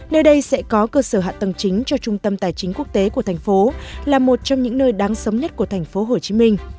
nơi đây sẽ có cơ sở hạ tầng chính cho trung tâm tài chính quốc tế của thành phố là một trong những nơi đáng sống nhất của thành phố hồ chí minh